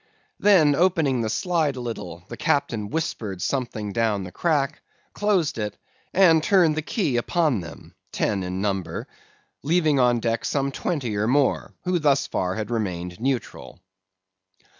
Then opening the slide a little, the Captain whispered something down the crack, closed it, and turned the key upon them—ten in number—leaving on deck some twenty or more, who thus far had remained neutral.